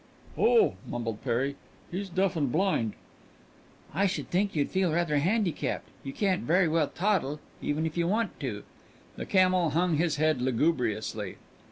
"Oh," mumbled Perry, "he's deaf and blind." "I should think you'd feel rather handicapped you can't very well toddle, even if you want to." The camel hang his head lugubriously.